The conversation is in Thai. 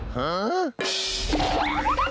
หา